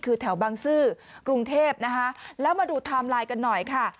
คือแถวบางซื่อกรุงเทพนะคะแล้วมาดูไทม์ไลน์กันหน่อยค่ะ